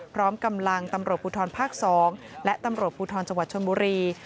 พร้อมกำลังตำรวจภูทรภาค๒และตำรวจภูทรจังหวัดชนบุรี